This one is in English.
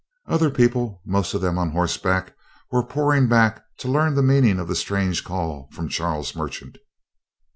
Other people, most of them on horseback, were pouring back to learn the meaning of the strange call from Charles Merchant.